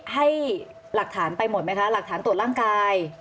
ให้หลักฐานไปหมดไหมคะหลักฐานตรวจร่างกาย